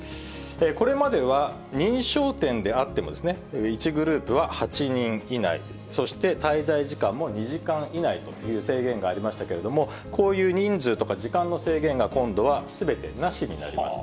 これまでは認証店であっても、１グループは８人以内、そして滞在時間も２時間以内という制限がありましたけれども、こういう人数とか、時間の制限が、今度はすべてなしになります。